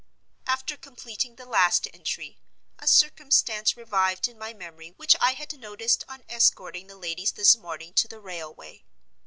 After completing the last entry, a circumstance revived in my memory which I had noticed on escorting the ladies this morning to the railway.